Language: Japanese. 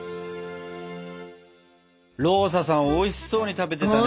ローサさんおいしそうに食べてたね！